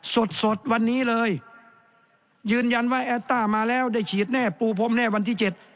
สดสดวันนี้เลยยืนยันว่าแอตต้ามาแล้วได้ฉีดแน่ปูพรมแน่วันที่เจ็ด